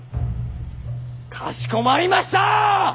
かしこまりました！